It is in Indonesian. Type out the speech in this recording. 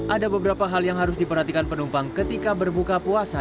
ada beberapa hal yang harus diperhatikan penumpang ketika berbuka puasa